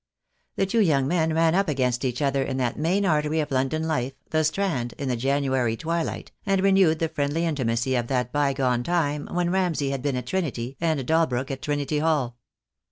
The two young men ran up against THE DAY WILL COME. 43 each other in that main artery of London life, the Strand, in the January twilight, and renewed the friendly intimacy of that bygone time when Ramsay had been at Trinity and Dalbrook at Trinity Hall.